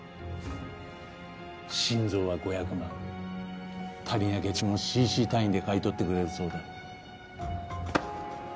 心臓は５００万足りなきゃ血もｃｃ単位で買い取ってくれるそうだ。